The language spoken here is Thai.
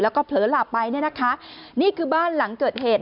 แล้วก็เผลอหลับไปเนี่ยนะคะนี่คือบ้านหลังเกิดเหตุ